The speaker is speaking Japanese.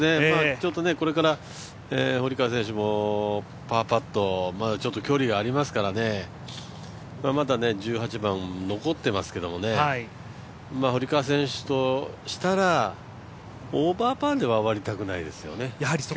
これから堀川選手もパーパット、距離がありますからまだ１８番が残っていますから、堀川選手としたらオーバーパーでは終わりたくないですよね。